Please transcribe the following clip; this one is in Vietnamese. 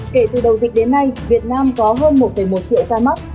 kể từ đầu dịch đến nay việt nam có hơn một một triệu ca mắc